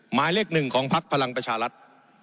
หมายเลขหนึ่งของภักดิ์พลังประชาลัทธ์